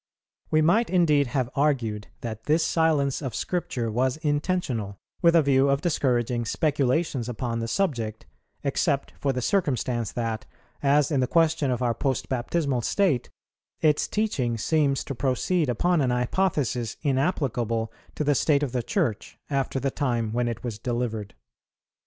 We might indeed have argued that this silence of Scripture was intentional, with a view of discouraging speculations upon the subject, except for the circumstance that, as in the question of our post baptismal state, its teaching seems to proceed upon an hypothesis inapplicable to the state of the Church after the time when it was delivered.